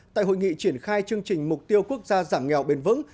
tại hội nghị triển khai chương trình mục tiêu quốc gia giảm nghèo bền vững